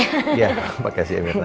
terima kasih mirna